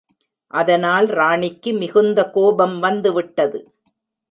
அதனால் ராணிக்கு மிகுந்த கோபம் வந்துவிட்டது.